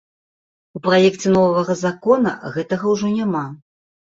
У праекце новага закона гэтага ўжо няма.